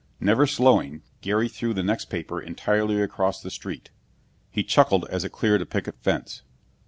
Never slowing, Gary threw the next paper entirely across the street. He chuckled as it cleared a picket fence.